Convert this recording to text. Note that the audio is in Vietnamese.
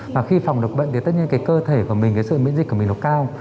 mà khi phòng được bệnh thì tất nhiên cái cơ thể của mình cái sự miễn dịch của mình nó cao